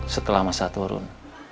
setelah masa turun